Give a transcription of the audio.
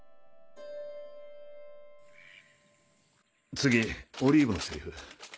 次オリーブのセリフ。